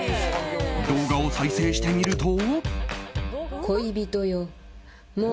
動画を再生してみると。